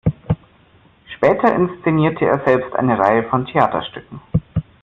Später inszenierte er selbst eine Reihe von Theaterstücken.